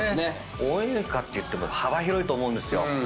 応援歌っていっても幅広いと思うんですよ。